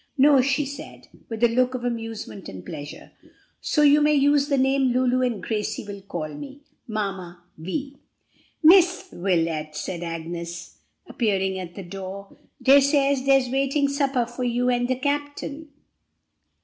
"No," she said, with a look of amusement and pleasure, "so you may use the name Lulu and Gracie will call me Mamma Vi." "Miss Wilet," said Agnes, appearing at the door, "dey says dey's waitin' suppah fo' you and de captain."